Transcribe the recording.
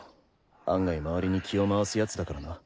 案外周りに気を回す奴だからな。